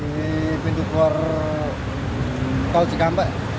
di pintu keluar tol cikampek